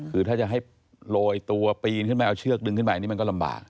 คือถ้าจะให้โรยตัวปีนขึ้นไปเอาเชือกดึงขึ้นไปนี่มันก็ลำบาก